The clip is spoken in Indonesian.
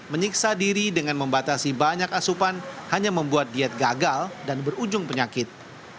menyiksa diri dengan membatasi banyak asupan hanya membuat diet gagal dan berujung penyakit